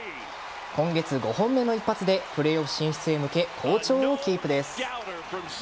今月５本目の一発でプレーオフ進出へ向け好調をキープです。